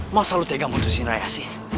masa lu tega mutusin raya sih